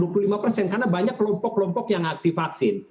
karena banyak kelompok kelompok yang aktif vaksin